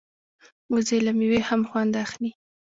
وزې له مېوې هم خوند اخلي